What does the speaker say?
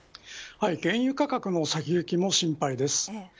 原油価格の先行きも心配です。